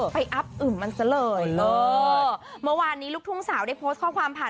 ไปอับอึดมันเสริยโหโหเมื่อวานนี้ลุคทุ่งสาวได้โพสต์ข้อความผ่าน